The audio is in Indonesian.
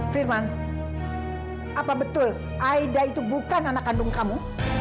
firman apa betul aida itu bukan anak kandung kamu